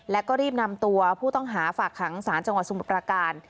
แล้วก็รีบนำตัวผู้ต้องหาฝากขังสารจังหวัดสมุทรประการ